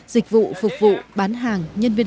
dịch vụ phục vụ bán hàng nhân viên